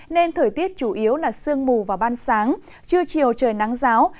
nên thời tiết chủ yếu là sương mù và ban sáng chưa chiều trời nắng ráo